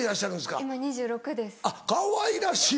かわいらしい！